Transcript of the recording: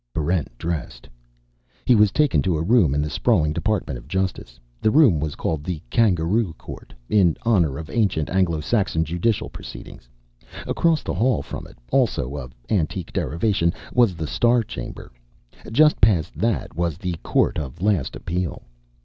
Barrent dressed. He was taken to a room in the sprawling Department of Justice. The room was called the Kangaroo Court, in honor of ancient Anglo Saxon judicial proceeding. Across the hall from it, also of antique derivation, was the Star Chamber. Just past that was the Court of Last Appeal.